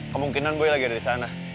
kemungkinan boy lagi ada di sana